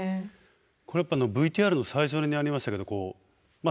これやっぱＶＴＲの最初にありましたけどまあ